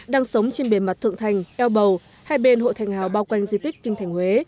đang sống trên bề mặt thượng thành eo bầu hai bên hội thành hào bao quanh di tích kinh thành huế